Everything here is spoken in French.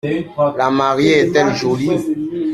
La mariée est-elle jolie ?